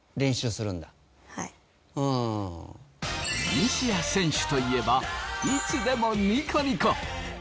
西矢選手といえばいつでもニコニコ。